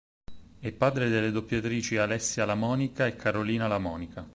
È padre delle doppiatrici Alessia La Monica e Carolina La Monica.